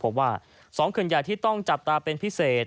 ว่า๒เขื่อนใหญ่ที่ต้องจับตาเป็นพิเศษ